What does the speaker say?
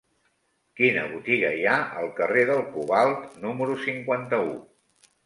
Quina botiga hi ha al carrer del Cobalt número cinquanta-u?